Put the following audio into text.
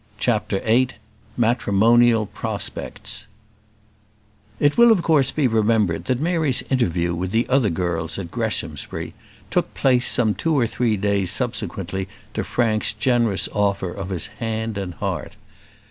CHAPTER VIII Matrimonial Prospects It will of course be remembered that Mary's interview with the other girls at Greshamsbury took place some two or three days subsequently to Frank's generous offer of his hand and heart.